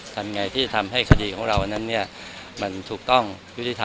ทำไงที่จะทำให้คดีของเรานั้นมันถูกต้องยุติธรรม